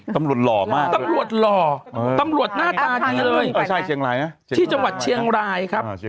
หล่อมากตำรวจหล่อตำรวจหน้าตาดีเลยที่จังหวัดเชียงรายครับ